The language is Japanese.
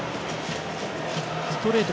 ストレート